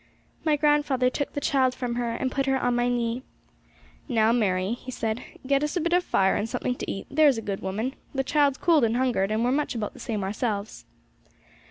My grandfather took the child from her, and put her on my knee. 'Now, Mary,' he said, 'get us a bit of fire and something to eat, there's a good woman! The child's cold and hungered, and we're much about the same ourselves.'